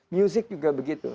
music juga begitu